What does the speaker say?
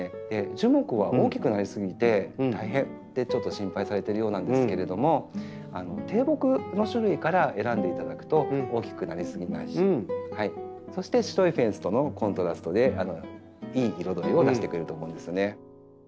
樹木は大きくなり過ぎて大変ってちょっと心配されてるようなんですけれども低木の種類から選んでいただくと大きくなり過ぎないしそして白いフェンスとのコントラストでいい彩りを出してくれると思うんですよね。